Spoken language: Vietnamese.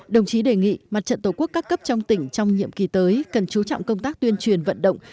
đồng chí đề nghị mặt trận tổ quốc các cấp trong tỉnh trong nhiệm kỳ tới cần chú trọng công tác tuyên truyền vận động